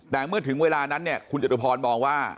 แต่เมื่อถึงเวลานั้นคุณจัตรุพรบอกว่า